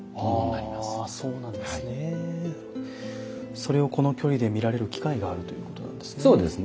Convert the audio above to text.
それをこの距離で見られる機会があるということなんですね。